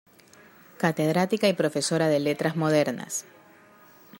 Catedrática y profesora de letras modernas.